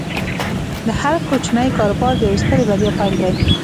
هر کوچنی کاروبار د یوې سترې بریا پیل دی۔